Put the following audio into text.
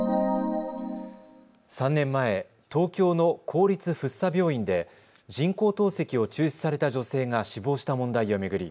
３年前、東京の公立福生病院で人工透析を中止された女性が死亡した問題を巡り